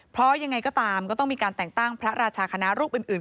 เพราะยังไงก็ตามก็ต้องมีการแต่งตั้งพระราชาคณะรูปอื่น